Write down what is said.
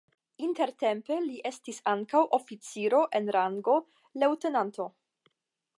Intertempe li estis ankaŭ oficiro en rango leŭtenanto.